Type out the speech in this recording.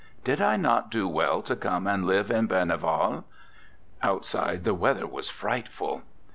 Did I not do well to come and live at Berneval? [Outside the weather was frightful.